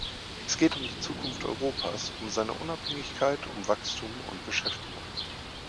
Es geht um die Zukunft Europas, um seine Unabhängigkeit, um Wachstum und Beschäftigung.